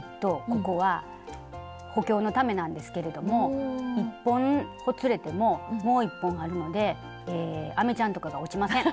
ここは補強のためなんですけれども１本ほつれてももう１本あるのでえアメちゃんとかが落ちません！